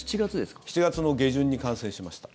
７月の下旬に感染しました。